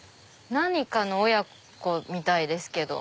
何かの親子みたいですけど。